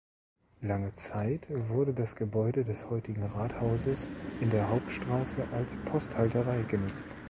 Lange Zeit wurde das Gebäude des heutigen Rathauses in der Hauptstraße als Posthalterei genutzt.